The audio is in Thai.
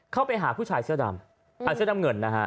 เข้าไปหาผู้ชายเสื้อดำเสื้อดำเงินนะฮะ